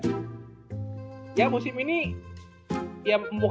akhirnya kalah di play in tournament sama blazers gitu kan